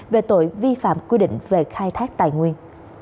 về tội vi phạm quy định về khai thác tài nguyên